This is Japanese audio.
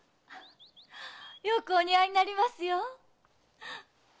よくお似合いになりますよ。